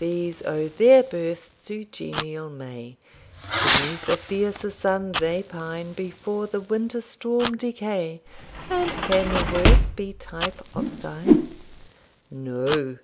These owe their birth to genial May; Beneath a fiercer sun they pine, Before the winter storm decay; And can their worth be type of thine? No!